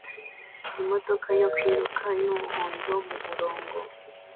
Imodoka yo kwiruka yumuhondo mumurongo